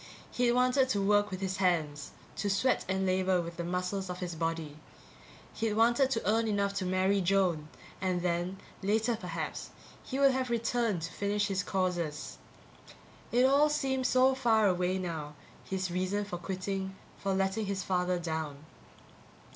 He'd wanted to work with his hands, to sweat and labor with the muscles of his body. He'd wanted to earn enough to marry Joan and then, later perhaps, he would have returned to finish his courses. It all seemed so far away now, his reason for quitting, for letting his father down.